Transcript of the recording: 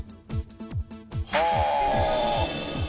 はあ！